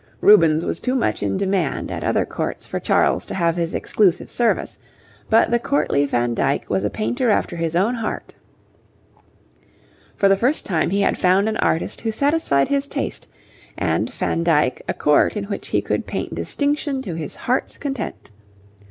Rubens was too much in demand at other Courts for Charles to have his exclusive service, but the courtly Van Dyck was a painter after his own heart. For the first time he had found an artist who satisfied his taste, and Van Dyck a Court in which he could paint distinction to his heart's content.